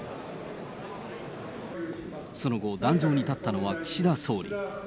その後、壇上に立ったのは岸田総理。